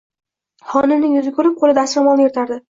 Xonimning yuzi kulib, qo`li dastro`molni yirtardi